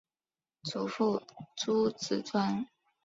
祖父朱子庄。